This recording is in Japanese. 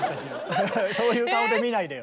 そういう顔で見ないでよ。